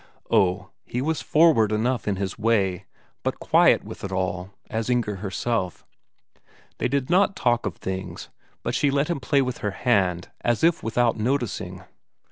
Oh, he was forward enough in his way, but quiet with it all, as Inger herself; they did not talk of things, and she let him play with her hand as if without noticing.